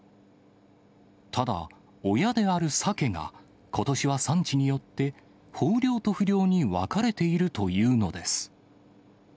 ただ、親であるサケが、ことしは産地によって、豊漁と不漁に分かれているというのです。